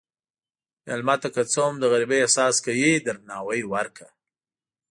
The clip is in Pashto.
مېلمه ته که څه هم د غریبۍ احساس کوي، درناوی ورکړه.